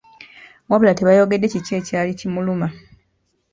Wabula tebaayogera kiki ekyali kimuluma.